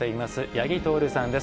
八木透さんです。